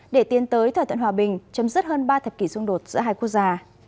để tiến tới thỏa thuận hòa bình chấm dứt hơn ba thập kỷ xung đột giữa hai quốc gia